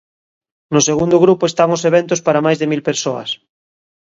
No segundo grupo están os eventos para máis de mil persoas.